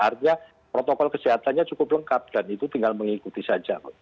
artinya protokol kesehatannya cukup lengkap dan itu tinggal mengikuti saja